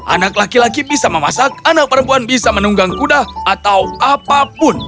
anak laki laki bisa memasak anak perempuan bisa menunggang kuda atau apapun